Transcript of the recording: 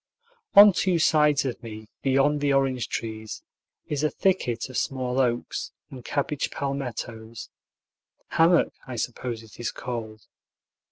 On two sides of me, beyond the orange trees, is a thicket of small oaks and cabbage palmettos, hammock, I suppose it is called.